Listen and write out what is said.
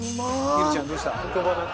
ひるちゃんどうした？